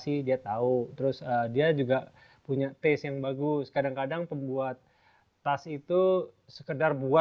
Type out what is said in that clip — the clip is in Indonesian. ini juga yang saya ingin kasih tau